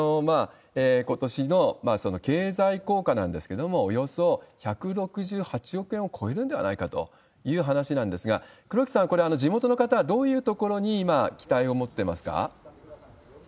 ことしの経済効果なんですけども、およそ１６８億円を超えるんではないかという話なんですが、黒木さん、これ、地元の方はどういうところに今、期待を持ってますか？